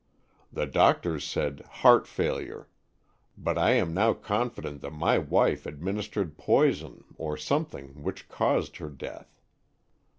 The doctors said 'heart fail ure,' but I am now confident that my wife administered poison or something which caused her death.